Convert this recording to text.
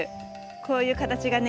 こういう形がね